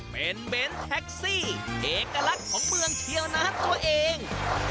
เป็นเบ้นแท็กซี่เอกลักษณ์ของเมืองเชียวนะตัวเอง